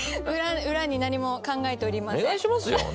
裏に何も考えておりません。